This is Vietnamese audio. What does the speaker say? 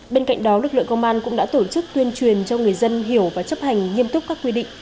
bên cạnh đó lực lượng công an cũng đã tổ chức tuyên truyền cho người dân hiểu và chấp hành nghiêm túc các quy định